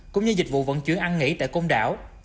cũng như dịch vụ vận chuyển ăn nghỉ tại công đảo